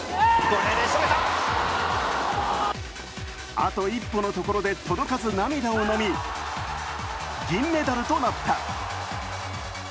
あと一歩のところで届かず涙をのみ銀メダルとなった。